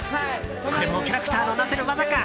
これもキャラクターのなせる技か？